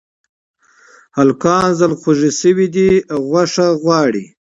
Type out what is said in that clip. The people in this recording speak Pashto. هلکان زړخوږي شوي دي او غوښه غواړي